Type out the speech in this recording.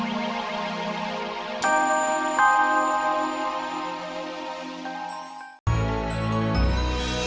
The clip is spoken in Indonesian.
kakiku sudah sembuh tok